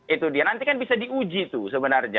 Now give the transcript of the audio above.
itu dia nanti kan bisa diuji tuh sebenarnya